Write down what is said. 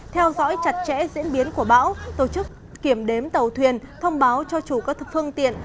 theo dõi chặt chẽ diễn biến của bão tổ chức kiểm đếm tàu thuyền thông báo cho chủ các phương tiện